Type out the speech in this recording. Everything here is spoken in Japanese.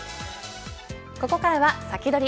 ここからはサキドリ！